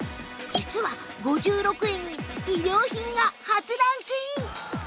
実は５６位に衣料品が初ランクイン